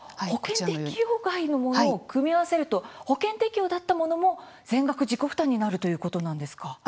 保険適用外のものを組み合わせると保険適用だったものも全額自己負担になるということなんですか？